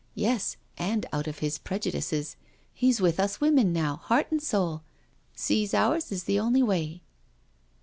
" Yes, and out of his prejudices — he*s with us women now, heart and soul — sees ours is the bnly way."